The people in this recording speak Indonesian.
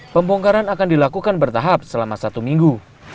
pembongkaran akan dilakukan bertahap selama satu minggu